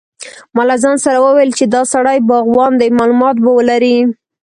ما له ځان سره وویل چې دا سړی باغوان دی معلومات به ولري.